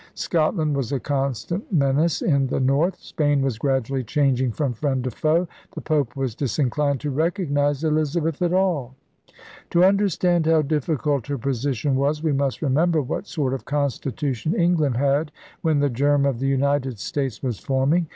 Scotland was a constant menace in the north. Spain was gradually changing from friend to foe. The Pope was disinclined to recognize Elizabeth at all. To understand how difficult her position was we must remember what sort of constitution England had when the germ of the United States was forming.